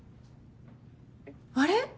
あれ？